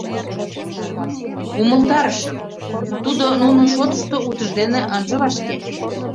— Умылтарышым: тудо нунын шотышто утыж дене ынже вашке.